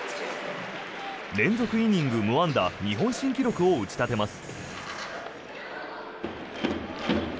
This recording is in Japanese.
連続イニング無安打日本新記録を打ち立てます。